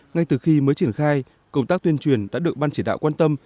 ngay từ khi mới triển khai công tác tuyên truyền đã được ban chỉ đạo quan tâm